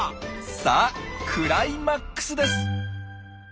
さあクライマックスです！